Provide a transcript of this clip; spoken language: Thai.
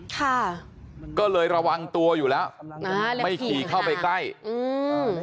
ค่ะก็เลยระวังตัวอยู่แล้วไม่ขี่เข้าไปใกล้อืม